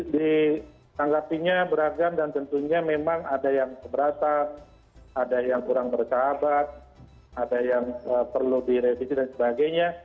ditanggapinya beragam dan tentunya memang ada yang keberatan ada yang kurang bersahabat ada yang perlu direvisi dan sebagainya